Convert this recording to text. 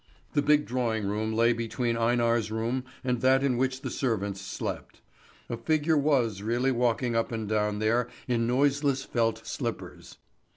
The big drawing room lay between Einar's room and that in which the servants slept. A figure was really walking up and down there in noiseless felt slippers.